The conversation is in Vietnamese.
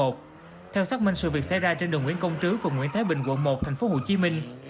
theo xác minh sự việc xảy ra trên đường nguyễn công trứ phường nguyễn thái bình quận một tp hcm